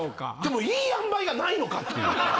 もういい塩梅がないのかっていう。